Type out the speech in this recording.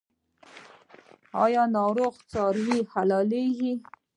آیا ناروغه څاروي حلاليږي؟